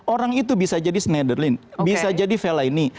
orang itu bisa jadi snederlin bisa jadi fellaini